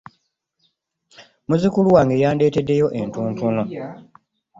Muzzukulu wange yandeeteddeyo entuntunu